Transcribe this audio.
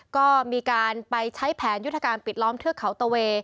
ก็มีการไปใช้แผนยุทธการปิดล้อมเทือกเขาตะเว